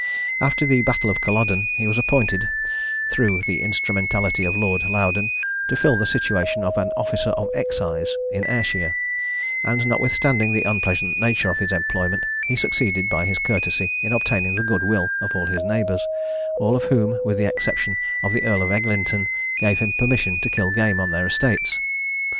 After the battle of Culloden he was appointed, through the instrumentality of Lord Loudon, to fill the situation of an officer of excise, in Ayrshire; and notwithstanding the unpleasant nature of his employment, he succeeded, by his courtesy, in obtaining the good will of all his neighbours, all of whom, with the exception of the Earl of Eglinton, gave him permission to kill game on their estates.